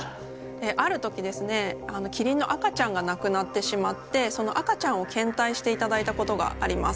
ある時ですねキリンの赤ちゃんが亡くなってしまってその赤ちゃんを献体していただいたことがあります。